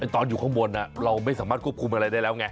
ตอนอยู่ข้างบนเราไม่สามารถควบคุมอะไรได้แล้วไง